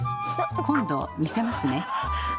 今度見せますね。